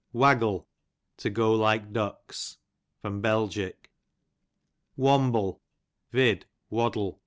Waggle, to go like ducks. Bel. Wamble, vid. waddle.